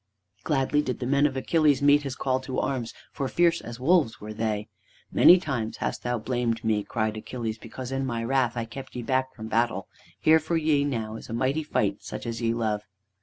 Gladly did the men of Achilles meet his call to arms, for fierce as wolves were they. "Many times hast thou blamed me," cried Achilles, "because in my wrath I kept ye back from battle. Here for ye now is a mighty fight, such as ye love."